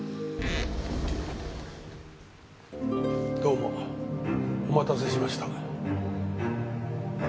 どうもお待たせしました。